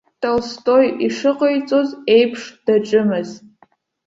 Толстои ишыҟаиҵоз еиԥшдаҿымызт.